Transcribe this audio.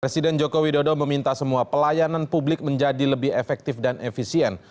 presiden joko widodo meminta semua pelayanan publik menjadi lebih efektif dan efisien